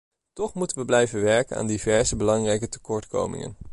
Toch moeten we blijven werken aan diverse belangrijke tekortkomingen.